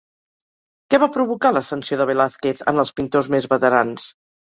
Què va provocar l'ascensió de Velázquez en els pintors més veterans?